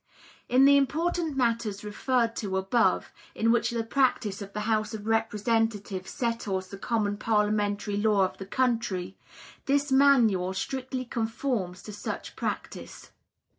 In the important matters referred to above, in which the practice of the House of Representatives settles the common parliamentary law of the country, this Manual strictly conforms to such practice.